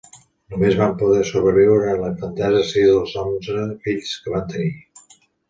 Només van poder sobreviure a la infantesa sis dels onze fills que van tenir.